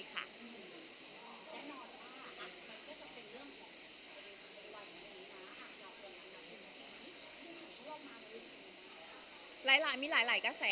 แน่นอนว่ามันก็จะเป็นเรื่องของในวันหนึ่งนะหากเราเป็นอันดับหนึ่ง